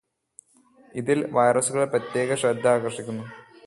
ഇതിൽ വൈറസുകൾ പ്രത്യേകശ്രദ്ധ ആകർഷിക്കുന്നു.